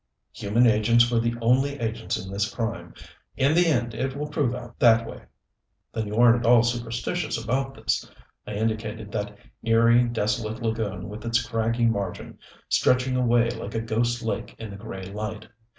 Human agents were the only agents in this crime. In the end it will prove out that way." "Then you aren't at all superstitious about this." I indicated that eery, desolate lagoon with its craggy margin, stretching away like a ghost lake in the gray light.